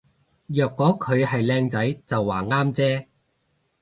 若果佢係靚仔就話啱啫